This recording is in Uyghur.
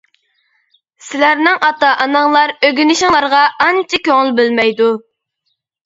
سىلەرنىڭ ئاتا-ئاناڭلار ئۆگىنىشىڭلارغا ئانچە كۆڭۈل بۆلمەيدۇ.